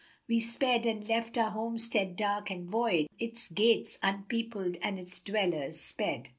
We sped and left the homestead dark and void * Its gates unpeopled and its dwellers sped."